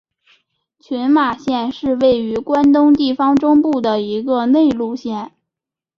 群马县是位于关东地方中部的一个内陆县。